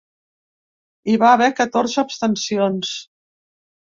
Hi va haver catorze abstencions.